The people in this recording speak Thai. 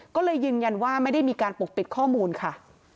ก็เลยยืนยันว่าไม่ได้มีการปกปิดข้อมูลค่ะ